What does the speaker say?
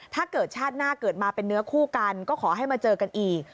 ถ้าเกิดชาติหน้าเกิดมาเป็นเนื้อคู่กันก็ขอให้มาเจอกันอีก